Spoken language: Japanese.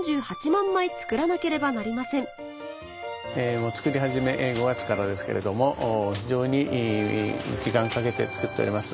これを作り始め５月からですけれども非常に時間をかけて作っております。